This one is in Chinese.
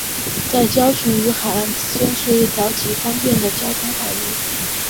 在礁群与海岸之间是一条极方便的交通海路。